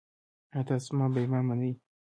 ایا تاسو زما بیمه منئ؟